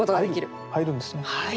入るんですね。